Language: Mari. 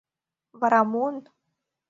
— Вара муын?